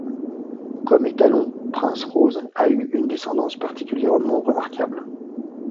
Comme étalon, Prince Rose a eu une descendance particulièrement remarquable.